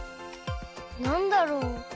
なんだろう？